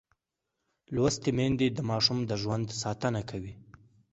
لوستې میندې د ماشوم د ژوند ساتنه کوي.